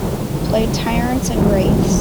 Play Tyrants And Wraiths